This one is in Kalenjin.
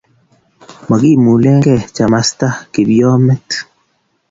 Mokimulenge chamastab kipyomet